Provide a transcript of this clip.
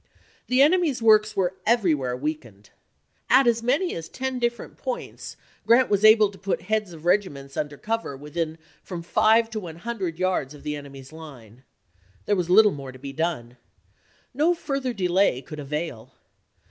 The enemy's works were everywhere weakened. At as many as ten different points Grant was able to put heads of regiments under cover within from five to one hun dred yards of the enemy's line. There was little more to be done. No further delay could avail.